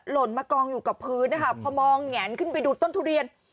ล่นมากองอยู่กับพื้นนะคะพอมองแงนขึ้นไปดูต้นทุเรียน